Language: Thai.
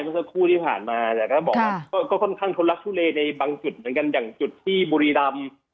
ก็ค่อนข้างทนลักษณ์ชุเลในบางจุดเหมือนกันอย่างจุดที่บุรีรัมศ์